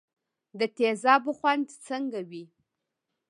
د تیزابو خوند څنګه وي.